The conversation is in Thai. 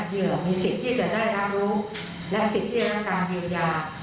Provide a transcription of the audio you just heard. เหยื่อมีสิทธิ์ที่จะได้รับรู้และสิทธิ์ที่จะได้รับกรรมเยียร์ยา